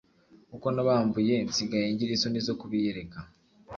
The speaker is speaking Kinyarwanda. Kuko nabambuye nsigaye ngira isoni zo kubiyereka